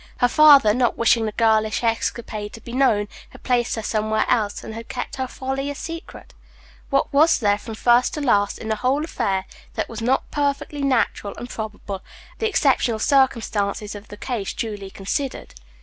Her father, not wishing the girlish escapade to be known, had placed her somewhere else, and had kept her folly a secret. What was there from first to last in the whole affair that was not perfectly natural and probable, the exceptional circumstances of the case duly considered?